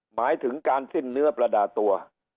หมายถึงการสิ้นเนื้อประดาตัว